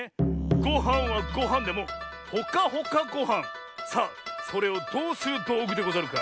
ごはんはごはんでもほかほかごはんさあそれをどうするどうぐでござるか？